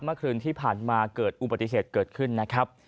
เมื่อคืนที่ผ่านมาเกิดอุบัติเหตุเกิดขึ้นนะครับ